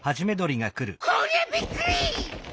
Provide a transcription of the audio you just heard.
こりゃびっくり！